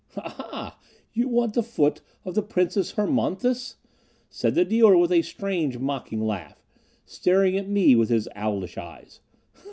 "Ha, ha! You want the foot of the Princess Hermonthis," said the dealer with a strange, mocking laugh, staring at me with his owlish eyes.